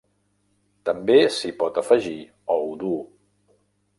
També s'hi pot afegir ou dur.